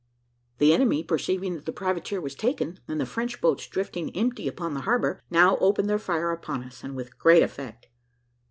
The enemy, perceiving that the privateer was taken, and the French boats drifting empty up the harbour, now opened their fire upon us, and with great effect.